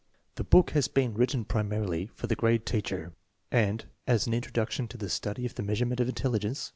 The book has been written primarily for the grade teacher, and as an introduction to the study of The Measurement of Intelligence.